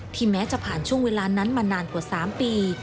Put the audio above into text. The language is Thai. แม้จะผ่านช่วงเวลานั้นมานานกว่า๓ปี